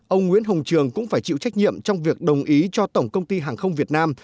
ông nguyễn hồng trường cũng phải chịu trách nhiệm trong việc đồng ý cho tổng công ty hàng không việt nam